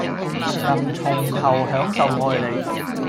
能從頭享受愛你